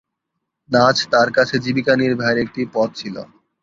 নাচ তাঁর কাছে জীবিকা নির্বাহের একটি পথ ছিল।